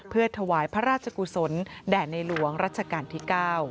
เพื่อถวายพระราชกุศลแด่ในหลวงรัชกาลที่๙